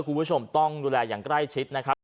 คุณผู้ชมต้องดูแลอย่างใกล้ชิดนะครับ